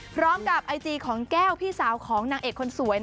พร้อมกับไอจีของแก้วพี่สาวของนางเอกคนสวย